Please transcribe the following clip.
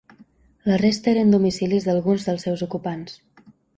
La resta eren domicilis d’alguns dels seus ocupants.